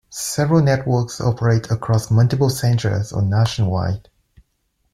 Several networks operate across multiple centres or nationwide.